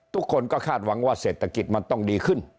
ทุกคนก็คาดหวังว่าเศรษฐกิจมันต้องดีขึ้น